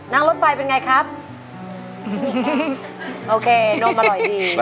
นั่งรถไฟเป็นไงครับ